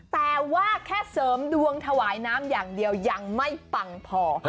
แต่ว่าแค่เสริมดวงถวายน้ำอย่างเดียวยังไม่ปังพอ